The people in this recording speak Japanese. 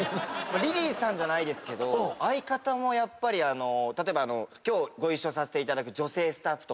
リリーさんじゃないですけど相方もやっぱり例えば今日ご一緒させていただく。